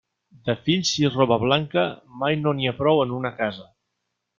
De fills i roba blanca, mai no n'hi ha prou en una casa.